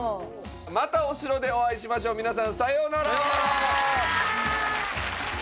またお城でお会いしましょう皆さんさようならさようならさようなら